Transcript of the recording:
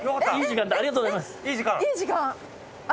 ありがとうございます。